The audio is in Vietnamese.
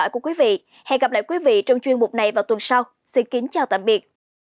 chuyên mục này vào tuần sau xin kính chào tạm biệt